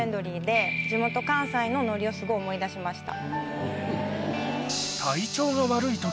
地元関西のノリをすごい思い出しました。